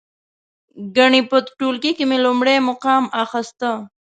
ګنې په ټولګي کې مې لومړی مقام اخسته.